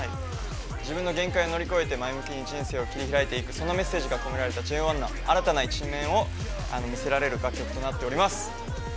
自分の限界を乗り越えて前向きに人生を切り開いていくそのメッセージが、込められた、ＪＯ１の新たな目標を見せられる、楽曲となっております。